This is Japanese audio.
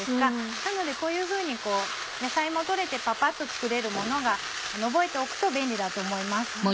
なのでこういうふうに野菜も取れてパパっと作れるものが覚えておくと便利だと思います。